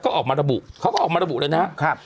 ก็ออกมาระบุเขาก็ออกมาระบุเลยนะครับ